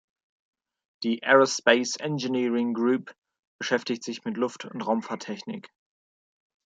Die Aerospace Engineering Group beschäftigt sich mit Luft- und Raumfahrttechnik.